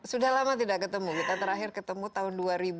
sudah lama tidak ketemu kita terakhir ketemu tahun dua ribu